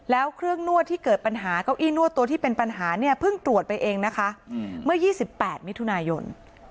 แล้วเครื่องนวดที่เกิดปัญหาเก้าอี้นวดตัวที่เป็นปัญหาเนี่ยเพิ่งตรวจไปเองนะคะเมื่อ๒๘มิถุนายน